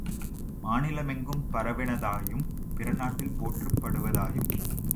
மாநிலமெங்கும் பரவினதாயும், பிறநாட்டிலும் போற்றப்படுவதாயும்